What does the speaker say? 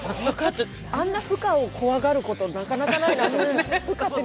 あんなふ化を怖がることって、なかなかないなって。